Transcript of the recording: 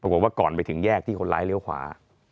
ปรากฏว่าก่อนไปถึงแยกที่คนร้ายเลี้ยวขวา